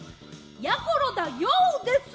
やころだＹＯ！です。